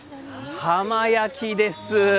浜焼きいいです。